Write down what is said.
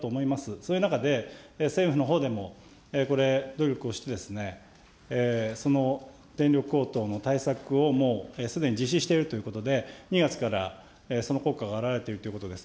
そういう中で、政府のほうでもこれ、努力をしてですね、電力高騰の対策をもう、すでに実施しているということで、２月からその効果が表れているということです。